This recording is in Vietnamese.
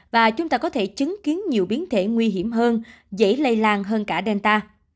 và chúng ta có thể chứng kiến nhiều biến thể nguy hiểm hơn dễ lây lan hơn cả delta